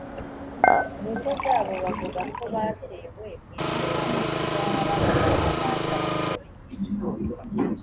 mu ngo zabo bavuga ko batewe mu ijoro ryejo nyamara bagatabaza abapolisi